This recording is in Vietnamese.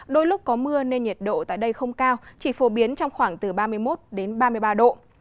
đôi lúc có mưa nên nhiệt độ tại đây không cao chỉ phổ biến trong khoảng từ ba mươi một đến ba mươi ba độ